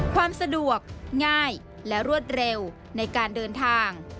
ความสะดวกง่ายและรวดเร็วในการเดินทาง